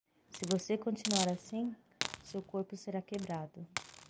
Se você continuar assim, seu corpo será quebrado.